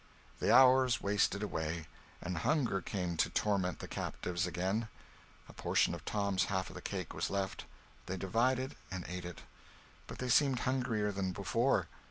The hours wasted away, and hunger came to torment the captives again. A portion of Tom's half of the cake was left; they divided and ate it. But they seemed hungrier than before.